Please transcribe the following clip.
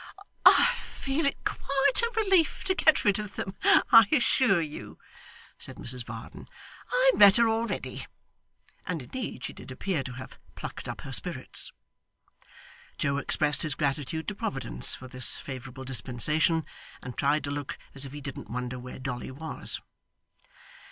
'I feel it quite a relief to get rid of them, I assure you,' said Mrs Varden. 'I'm better already.' And indeed she did appear to have plucked up her spirits. Joe expressed his gratitude to Providence for this favourable dispensation, and tried to look as if he didn't wonder where Dolly was.